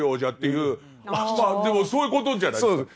まあでもそういうことじゃないですか。